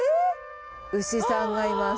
牛さんがいます。